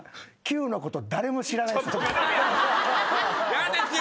嫌ですよ。